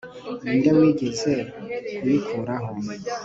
ni nde wigeze kuyikuraho